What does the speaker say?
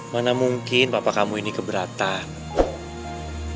mana mungkin papa kamu ini keberatan